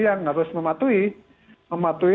yang harus mematuhi